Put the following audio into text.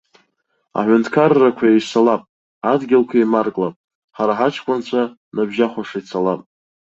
Аҳәынҭқаррақәа еисалап, адгьылқәа еимарклап, ҳара хаҷкәынцәа ныбжьахәаша ицалап!